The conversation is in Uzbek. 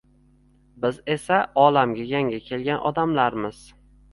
Biz esa olamga yangi kelgan odamlarmiz